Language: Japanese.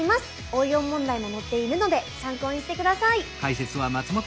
応用問題も載っているので参考にして下さい！